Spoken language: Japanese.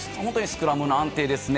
スクラムの安定ですね。